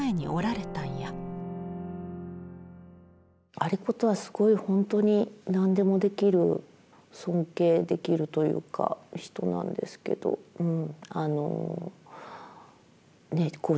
有功はすごい本当に何でもできる尊敬できるというか人なんですけどうん